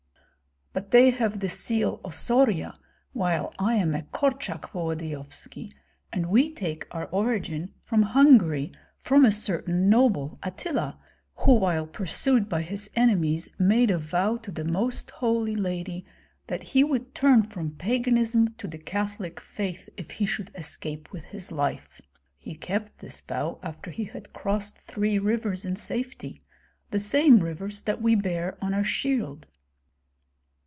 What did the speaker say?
"But they have the seal Ossorya, while I am a Korchak Volodyovski and we take our origin from Hungary from a certain noble, Atylla, who while pursued by his enemies made a vow to the Most Holy Lady that he would turn from Paganism to the Catholic faith if he should escape with his life. He kept this vow after he had crossed three rivers in safety, the same rivers that we bear on our shield."